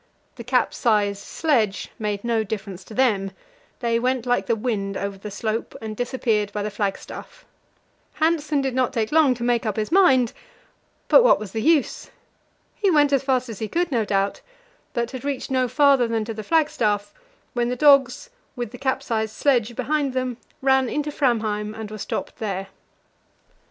The capsized sledge made no difference to them; they went like the wind over the slope, and disappeared by the flagstaff. Hanssen did not take long to make up his mind, but what was the use? He went as fast as he could, no doubt, but had reached no farther than to the flagstaff, when the dogs, with the capsized sledge behind them, ran into Framheim and were stopped there.